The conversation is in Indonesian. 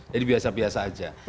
jadi biasa biasa aja